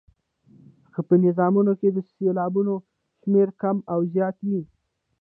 که په نظمونو کې د سېلابونو شمېر کم او زیات وي.